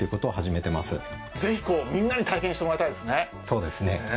そうですね。